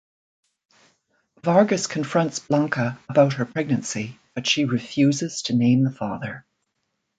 Vargas confronts Blanca about her pregnancy, but she refuses to name the father.